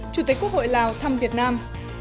chủ tịch quốc hội lào thăm việt nam